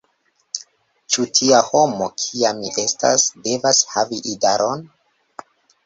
Ĉu tia homo, kia mi estas, devas havi idaron?